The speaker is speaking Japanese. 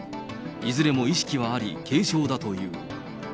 いずれも意識はあり、軽症だという。